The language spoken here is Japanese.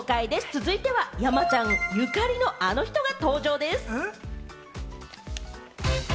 続いては山ちゃんゆかりのあの人が登場です。